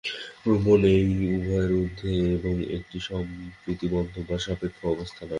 ব্রহ্ম এই উভয়ের ঊর্ধ্বে, এবং একটি সপ্রতিবন্ধ বা সাপেক্ষ অবস্থা নয়।